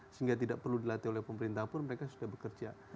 sehingga tidak perlu dilatih oleh pemerintah pun mereka sudah bekerja